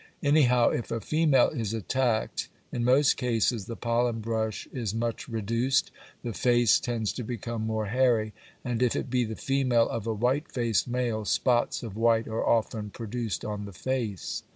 Anyhow, if a female is attacked, in most cases the pollen brush is much reduced, the face tends to become more hairy, and, if it be the female of a white faced male, spots of white are often produced on the face.